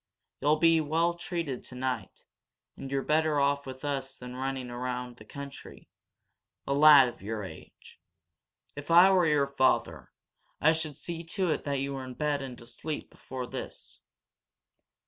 You'll be well treated tonight, and you're better off with us than running around the country a lad of your age! If I were your father, I should see to it that you were in bed and asleep before this."